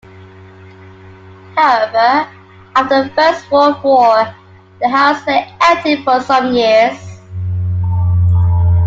However, after the First World War, the house lay empty for some years.